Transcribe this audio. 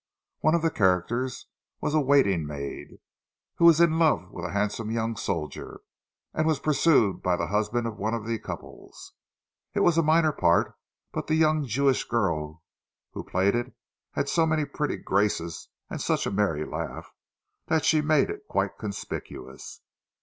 One of the characters was a waiting maid, who was in love with a handsome young soldier, and was pursued by the husband of one of the couples. It was a minor part, but the young Jewish girl who played it had so many pretty graces and such a merry laugh that she made it quite conspicuous.